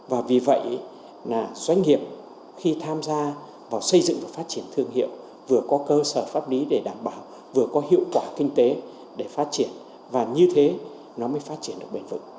và vì vậy là doanh nghiệp khi tham gia vào xây dựng và phát triển thương hiệu vừa có cơ sở pháp lý để đảm bảo vừa có hiệu quả kinh tế để phát triển và như thế nó mới phát triển được bền vững